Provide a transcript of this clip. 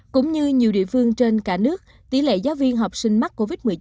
cũng như nhiều địa phương trên cả nước tỷ lệ giáo viên học sinh mắc covid một mươi chín